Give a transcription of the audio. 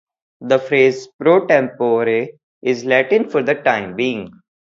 The phrase "pro tempore" is Latin "for the time being".